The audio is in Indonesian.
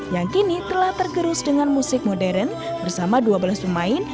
yang kini telah tergerus dengan musik modern bersama dua belas pemain